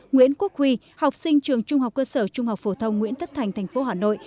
nguyễn quốc huy học sinh trường trung học cơ sở trung học phổ thông nguyễn tất thành thành phố hà nội